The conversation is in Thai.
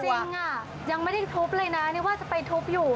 จริงอ่ะยังไม่ได้ทุบเลยนะนี่ว่าจะไปทุบอยู่